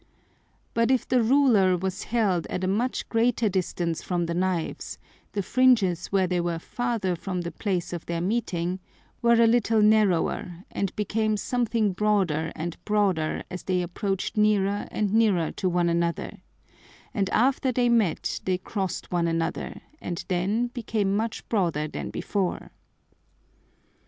But if the Ruler was held at a much greater distance from the Knives, the Fringes where they were farther from the Place of their Meeting, were a little narrower, and became something broader and broader as they approach'd nearer and nearer to one another, and after they met they cross'd one another, and then became much broader than before.